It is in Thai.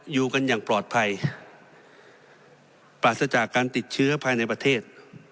อยู่กันอย่างปลอดภัยปราศจากการติดเชื้อภายในประเทศ